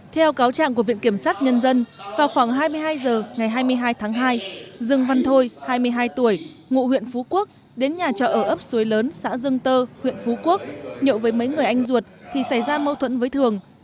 theo cáo trạng của viện kiểm sát nhân dân vào khoảng hai mươi hai h ngày hai mươi hai tháng hai dương văn thôi hai mươi hai tuổi ngụ huyện phú quốc đến nhà trọ ở ấp suối lớn xã dương tơ huyện phú quốc nhậu với mấy người anh ruột thì xảy ra mâu thuẫn với thường